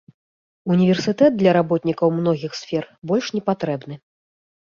Універсітэт для работнікаў многіх сфер больш не патрэбны.